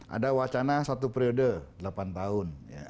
ada wacana satu periode delapan tahun